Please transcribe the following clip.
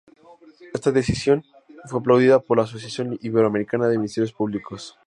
Esta decisión fue aplaudida por la Asociación Iberoamericana de Ministerios Públicos.